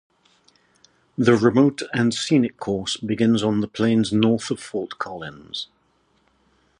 The remote and scenic course begins on the plains north of Fort Collins.